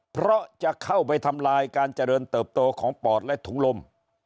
เพราะจะเข้าไปทำลายการเจริญเติบโตของปอดและถุงลม